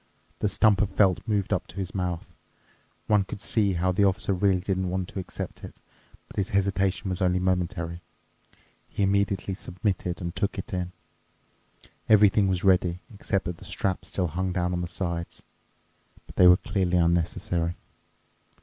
The stump of felt moved up to his mouth. One could see how the Officer really didn't want to accept it, but his hesitation was only momentary—he immediately submitted and took it in. Everything was ready, except that the straps still hung down on the sides. But they were clearly unnecessary.